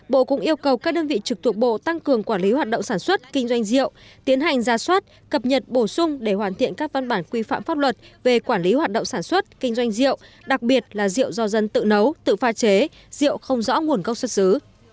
bộ cũng yêu cầu các đơn vị trực thuộc bộ tăng cường quản lý hoạt động sản xuất kinh doanh rượu tiến hành ra soát cập nhật bổ sung để hoàn thiện các văn bản quy phạm pháp luật về quản lý hoạt động sản xuất kinh doanh rượu đặc biệt là rượu do dân tự nấu tự pha chế rượu không rõ nguồn gốc xuất xứ